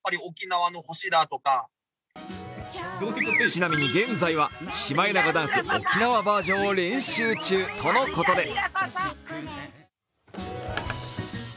ちなみに現在はシマエナガダンス、沖縄バージョンを練習中ということです。